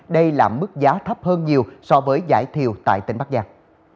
đây là mức giá thấp hơn nhiều so với giải thiều tại tỉnh bắc giang